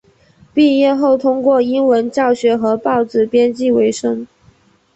毕业后通过英文教学和报纸编辑维生。